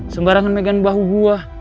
sembarangan megang bahu gue